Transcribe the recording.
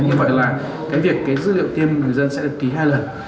như vậy là cái việc cái dữ liệu tiêm người dân sẽ được ký hai lần